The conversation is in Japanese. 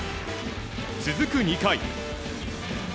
続く２回。